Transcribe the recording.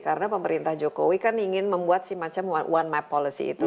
karena pemerintah jokowi kan ingin membuat si macam one map policy itu